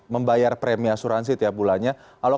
membayar premi asuransi tiap bulannya kalau